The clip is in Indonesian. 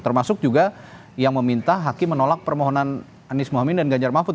termasuk juga yang meminta hakim menolak permohonan anies mohami dan ganjar mahfud